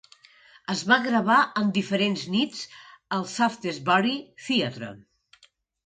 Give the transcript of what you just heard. Es va gravar en diferents nits al Shaftesbury Theatre.